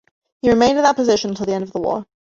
He remained in that position until the end of the war.